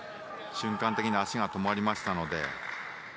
瞬間的に足が止まりましたので。